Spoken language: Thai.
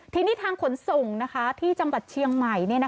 ทีนี้ทางขนส่งที่จังหวัดเชียงใหม่